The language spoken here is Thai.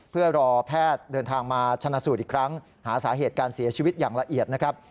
เพื่อรอแพทย์เดินทางมาชนะสูตรอีกครั้งหาสาเหตุการเสียชีวิตอย่างละเอียดนะครับ